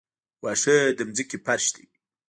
واښه د ځمکې فرش دی